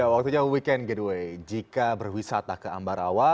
waktunya weekend getaway jika berwisata ke ambarawa